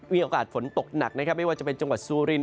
มีโอกาสฝนตกหนักนะครับไม่ว่าจะเป็นจังหวัดซูริน